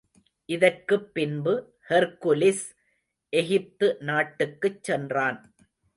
இதற்குப் பின்பு ஹெர்க்குலிஸ் எகிப்து நாட்டுக்குச் சென்றான்.